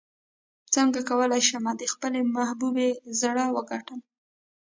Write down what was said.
څنګه کولی شم د خپلې محبوبې زړه وګټم